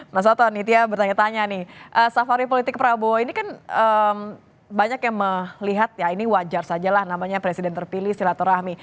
mas oto nitya bertanya tanya nih safari politik prabowo ini kan banyak yang melihat ya ini wajar saja lah namanya presiden terpilih silaturahmi